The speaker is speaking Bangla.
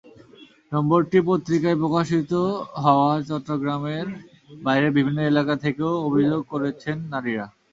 নম্বরটি পত্রিকায় প্রকাশিত হওয়ার চট্টগ্রামের বাইরের বিভিন্ন এলাকা থেকেও অভিযোগ করেছেন নারীরা।